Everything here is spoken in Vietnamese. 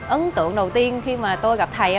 ấn tượng đầu tiên khi mà tôi gặp thầy